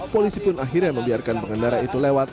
polisi pun akhirnya membiarkan pengendara itu lewat